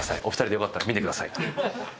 お２人でよかったら見てください。